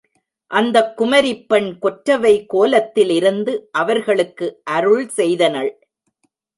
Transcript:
அந்தக் குமரிப்பெண் கொற்றவை கோலத்தில் இருந்து அவர்களுக்கு அருள் செய்தனள்.